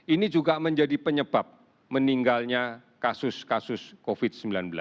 ini juga menjadi penyebab meninggalnya kasus kasus covid sembilan belas